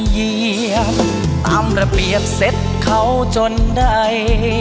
เยี่ยมตามระเบียบเสร็จเขาจนใด